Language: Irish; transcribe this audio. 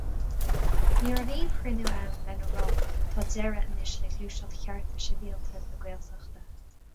Ní raibh aon chruinniú ann lena rá 'tá deireadh anois le Gluaiseacht Chearta Sibhialta na Gaeltachta'.